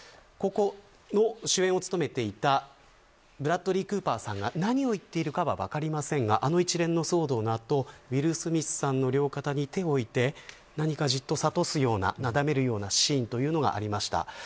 ここの主演を務めていたブラッドリー・クーパーさんが何を言っているかは分かりませんが一連の騒動の後ウィル・スミスさんの両肩に手を置いて何かじっと諭すようななだめるようなシーンがありました。